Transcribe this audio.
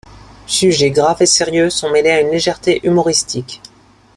Sujets graves et sérieux sont mêlés à une légèreté humoristique.